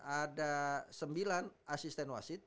ada sembilan asisten wasit